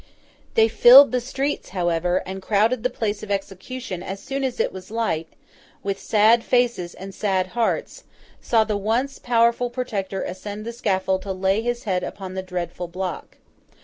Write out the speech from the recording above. They filled the streets, however, and crowded the place of execution as soon as it was light; and, with sad faces and sad hearts, saw the once powerful Protector ascend the scaffold to lay his head upon the dreadful block.